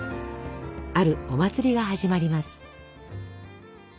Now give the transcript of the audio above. あるお祭りが始まります。